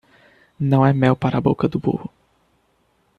Não é mel para a boca do burro.